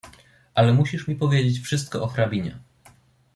"Ale musisz mi powiedzieć wszystko o hrabinie."